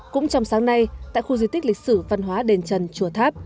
cũng trong sáng nay tại khu di tích lịch sử văn hóa đền trần chùa tháp